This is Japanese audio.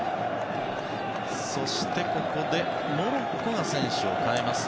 そして、ここでモロッコが選手を代えます。